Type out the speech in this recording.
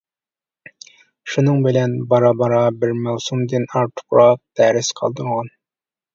شۇنىڭ بىلەن، بارا بارا بىر مەۋسۇمدىن ئارتۇقراق دەرس قالدۇرغان.